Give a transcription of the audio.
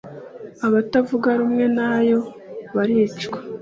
abatavuga rumwe nayo baricwa